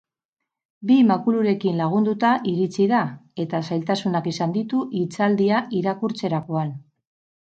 Bi makulurekin lagunduta iritsi da, eta zailtasunak izan ditu hitzaldia irakurtzerakoan.